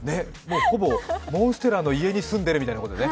ほぼモンステラの家に住んでるみたいなことだね。